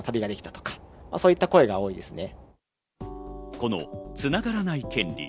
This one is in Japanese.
このつながらない権利。